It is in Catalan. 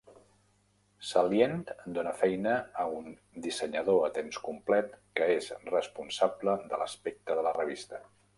"Salient" dona feina a un dissenyador a temps complet que és responsable de l'aspecte de la revista.